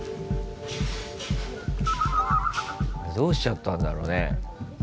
どうしちゃったんだろうね。